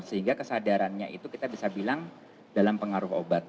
sehingga kesadarannya itu kita bisa bilang dalam pengaruh obat